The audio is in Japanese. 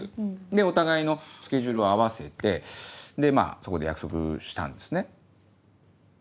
でお互いのスケジュールを合わせてそこで約束したんですね。